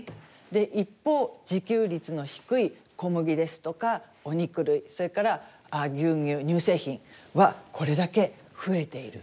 で一方自給率の低い小麦ですとかお肉類それから牛乳乳製品はこれだけ増えている。